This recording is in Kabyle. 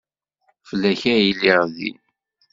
Fell-ak ay lliɣ din.